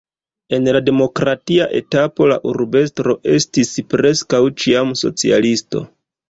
En la demokratia etapo la urbestro estis preskaŭ ĉiam socialisto.